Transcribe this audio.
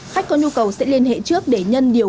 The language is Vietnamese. khách có nhu cầu sẽ liên hệ trước để nhân điều